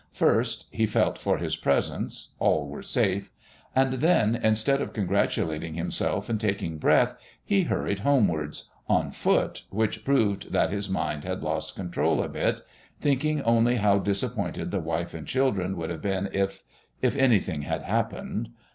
First ... he felt for his presents all were safe. And then, instead of congratulating himself and taking breath, he hurried homewards on foot, which proved that his mind had lost control a bit! thinking only how disappointed the wife and children would have been if if anything had happened....